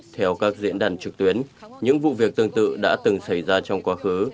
theo các diễn đàn trực tuyến những vụ việc tương tự đã từng xảy ra trong quá khứ